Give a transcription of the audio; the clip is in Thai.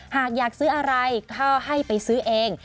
หากอยากซื้ออะไรก็ให้ไปซื้อเอง